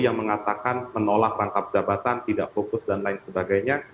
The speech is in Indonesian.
yang mengatakan menolak rangkap jabatan tidak fokus dan lain sebagainya